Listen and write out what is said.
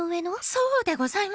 「そうでございます